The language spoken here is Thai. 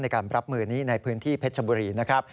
ในการรับมือนี้ในพื้นที่เพชรชบุรีนะครับ